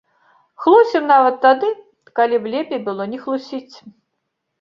Хлусім нават тады, калі б лепей было не хлусіць.